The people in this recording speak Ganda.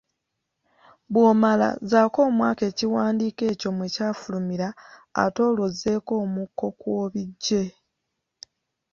Bw'omala zzaako omwaka ekiwandiiko ekyo mwe kyafulumira ate olwo ozzeeko omuko kw’obiggye.